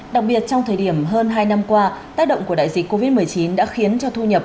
đặc biệt trong thời điểm hơn hai năm qua tác động của đại dịch covid một mươi chín đã khiến cho thu nhập